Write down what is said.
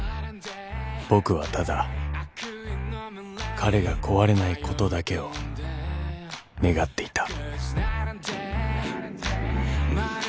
［僕はただ彼が壊れないことだけを願っていた］